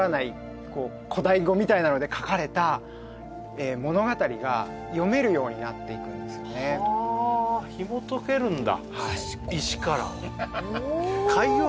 こう古代語みたいなので書かれた物語が読めるようになっていくんですよねはあひもとけるんだ